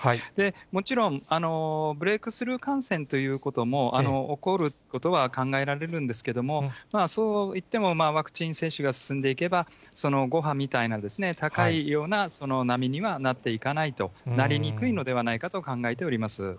もちろんブレークスルー感染ということも、起こることは考えられるんですけれども、そういってもワクチン接種が進んでいけば、その５波みたいな、高いような波にはなっていかないと、なりにくいのではないかと考えております。